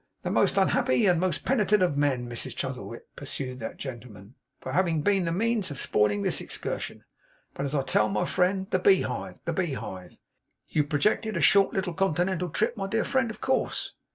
'The most unhappy and most penitent of men, Mrs Chuzzlewit,' pursued that gentleman, 'for having been the means of spoiling this excursion; but as I tell my friend, the beehive, the beehive. You projected a short little continental trip, my dear friend, of course?